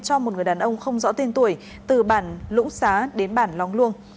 cho một người đàn ông không rõ tên tuổi từ bản lũng xá đến bản lóng luông